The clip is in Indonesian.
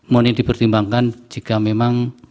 mohon ini dipertimbangkan jika memang